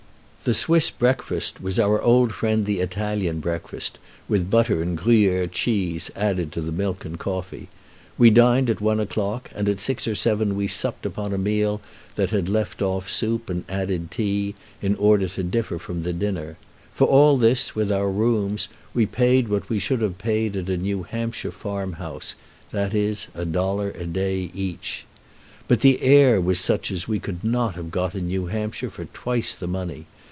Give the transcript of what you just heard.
The Swiss breakfast was our old friend the Italian breakfast, with butter and Gruyère cheese added to the milk and coffee. We dined at one o'clock, and at six or seven we supped upon a meal that had left off soup and added tea, in order to differ from the dinner. For all this, with our rooms, we paid what we should have paid at a New Hampshire farm house; that is, a dollar a day each. But the air was such as we could not have got in New Hampshire for twice the money.